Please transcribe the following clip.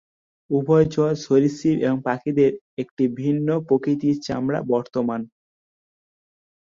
উভচর, সরীসৃপ, এবং পাখিদের একটি ভিন্ন প্রকৃতির চামড়া বর্তমান।